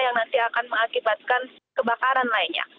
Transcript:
yang nanti akan mengakibatkan kebakaran lainnya